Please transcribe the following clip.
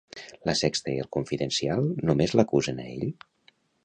La Sexta i el Confidencial només l'acusen a ell?